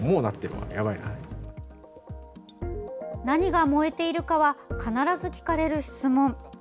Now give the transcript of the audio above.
何が燃えているかは必ず聞かれる質問。